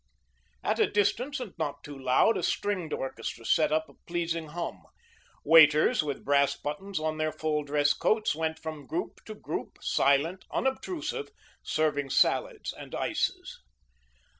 At a distance, and not too loud, a stringed orchestra sent up a pleasing hum. Waiters, with brass buttons on their full dress coats, went from group to group, silent, unobtrusive, serving salads and ices.